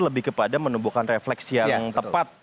lebih kepada menumbuhkan refleks yang tepat